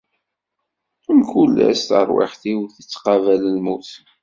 Mkul ass, tarwiḥt-iw tettqabal lmut.